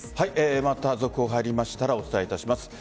また続報が入りましたらお伝えいたします。